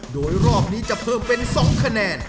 โดยรอบนี้จะเพิ่มเป็น๒คะแนน